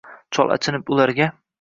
Chol achinib ularga